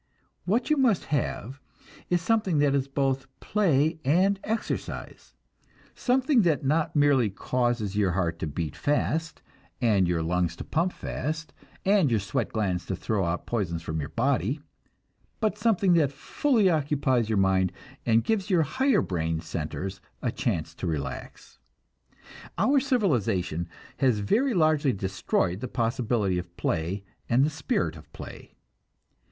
What you must have is something that is both play and exercise; something that not merely causes your heart to beat fast, and your lungs to pump fast, and your sweat glands to throw out poisons from your body, but something that fully occupies your mind and gives your higher brain centers a chance to relax. Our civilization has very largely destroyed the possibility of play and the spirit of play.